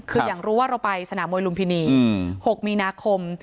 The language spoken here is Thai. คืออย่างรู้ว่าเราไปสนามมวยลุมพินี๖มีนาคม